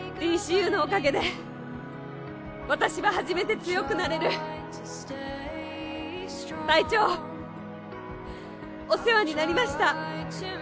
ＤＣＵのおかげで私は初めて強くなれる隊長お世話になりました